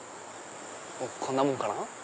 こんなもんかな。